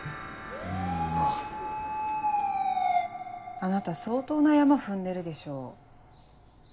あなた相当なヤマ踏んでるでしょ。